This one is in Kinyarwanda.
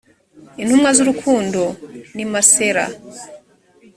intumwa z urukundo ni masera